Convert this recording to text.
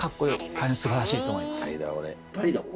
大変すばらしいと思います。